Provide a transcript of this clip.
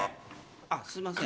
あっすいません